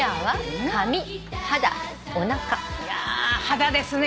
いや「肌」ですね。